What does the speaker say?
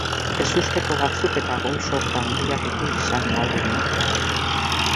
Ezusteko batzuk eta gol sorta handiak ikusi izan ahal genituen.